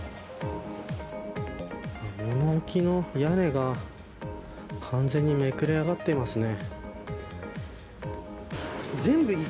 物置の屋根が完全にめくれ上がっていますね。